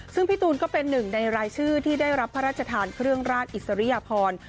ซึ่งพี่ตูนก็เป็นหนึ่งในรายชื่อที่ได้รับพระราชทานเครื่องราชอิสริยพร